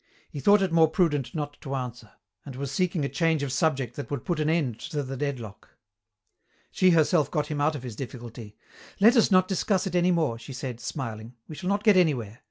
He thought it more prudent not to answer, and was seeking a change of subject that would put an end to the deadlock. She herself got him out of his difficulty. "Let us not discuss it any more," she said, smiling, "we shall not get anywhere.